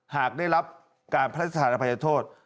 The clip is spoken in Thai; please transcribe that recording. หากได้รับการพระราชธานอภัยโทษ